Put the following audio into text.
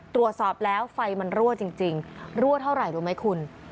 ตรวจสอบแล้วไฟมันรั่วจริงรั่วเท่าไหร่รู้ไหมคุณ